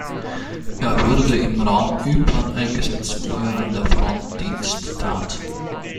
Er wurde im Raum Ypern eingesetzt, wo er an der Front Dienst tat.